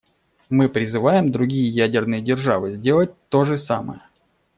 Мы призываем другие ядерные державы сделать то же самое.